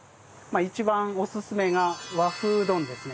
一番おすすめが和風うどんですね。